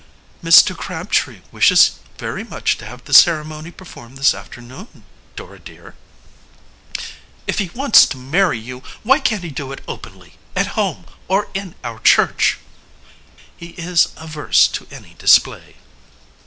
"Mr. Crabtree wishes very much to have the ceremony performed this afternoon, Dora dear." "If he wants to marry you, why can't he do it openly at home or in our church?" "He is averse to any display."